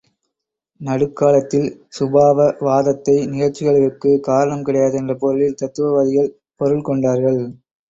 நடுக்காலத்தில் சுபாவவாதத்தை, நிகழ்ச்சிகளுக்குக் காரணம் கிடையாது என்ற பொருளில் தத்துவவாதிகள் பொருள் கொண்டார்கள்.